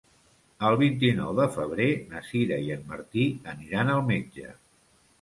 El vint-i-nou de febrer na Sira i en Martí aniran al metge.